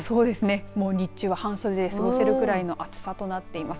もう日中は半袖で過ごせるくらいの暑さとなっています。